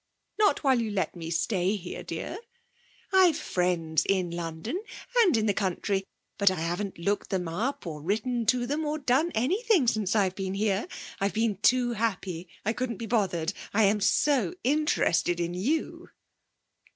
Not while you let me stay here, dear. I've friends in London, and in the country, but I haven't looked them up, or written to them, or done anything since I've been here. I've been too happy. I couldn't be bothered. I am so interested in you!